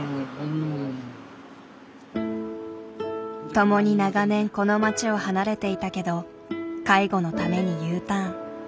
共に長年この町を離れていたけど介護のためにＵターン。